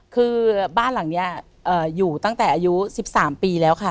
คือบ้านหลังนี้อยู่ตั้งแต่อายุ๑๓ปีแล้วค่ะ